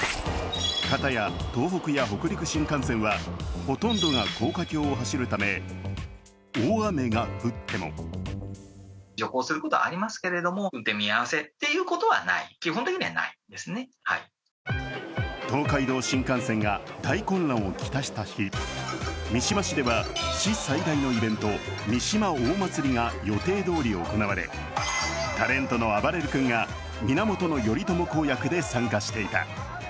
片や東北や北陸新幹線はほとんどが高架橋を走るため大雨が降っても東海道新幹線が大混乱を来した日、市最大のイベント、三嶋大祭りが予定どおり行われ、タレントのあばれる君が源頼朝公役で参加していた。